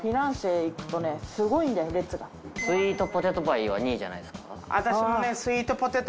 スイートポテトパイは２位じゃないですか？